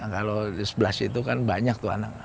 kalau di sebelah situ kan banyak tuh anak